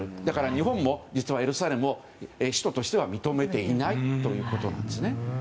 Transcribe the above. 日本もエルサレムを首都としては認めていないということです。